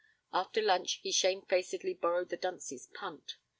After lunch he shamefacedly borrowed the dunce's punt.